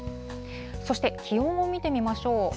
そして気温を見てみましょう。